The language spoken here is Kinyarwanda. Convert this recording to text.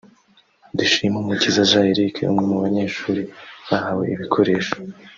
Dushimumukiza Jean Eric umwe mu banyeshuri bahawe ibikoresho